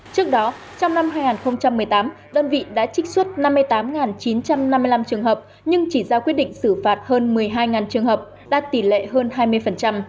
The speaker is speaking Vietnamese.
trước đó trong năm hai nghìn một mươi tám đơn vị đã trích xuất năm mươi tám chín trăm năm mươi năm trường hợp nhưng chỉ ra quyết định xử phạt hơn một mươi hai trường hợp đạt tỷ lệ hơn hai mươi